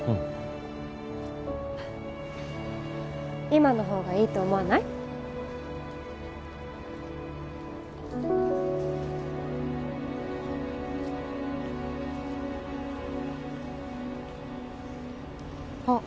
今のほうがいいと思わない？あっ。